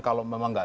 kalau memang enggak